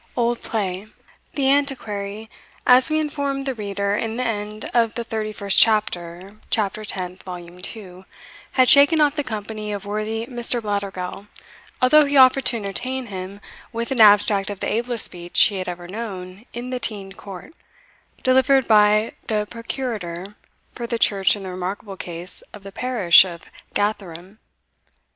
Old Play. The Antiquary, as we informed the reader in the end of the thirty first CHAPTER, [tenth] had shaken off the company of worthy Mr. Blattergowl, although he offered to entertain him with an abstract of the ablest speech he had ever known in the teind court, delivered by the procurator for the church in the remarkable case of the parish of Gatherem.